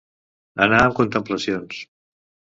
Anar amb contemplacions.